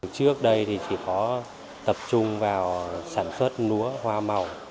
trước đây thì chỉ có tập trung vào sản xuất lúa hoa màu